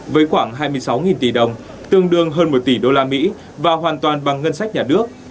với khoảng hai mươi sáu tỷ đồng tương đương hơn một tỷ đô la mỹ và hoàn toàn bằng ngân sách nhà nước